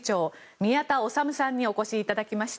宮田律さんにお越しいただきました。